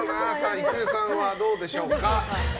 郁恵さん、どうでしょうか。